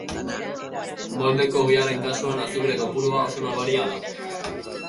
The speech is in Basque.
Moldeko ogiaren kasuan, azukre kopurua oso nabaria da.